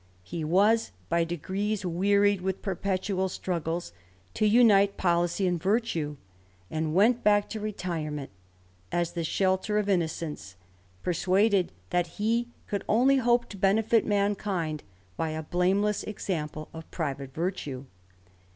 He was by degrees wearied with perpetual struggles to unite policy and virtue^ and went back to retirement as the shelter of innocence, persuaded that he could only hope to benefit mankind by a blameless example of private virtue.